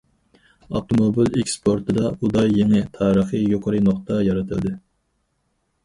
ئاپتوموبىل ئېكسپورتىدا ئۇدا يېڭى تارىخىي يۇقىرى نۇقتا يارىتىلدى.